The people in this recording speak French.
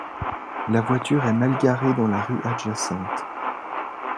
La voiture est mal garée dans la rue adjacente